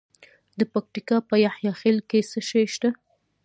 د پکتیکا په یحیی خیل کې څه شی شته؟